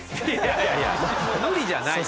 いやいや無理じゃないのよ。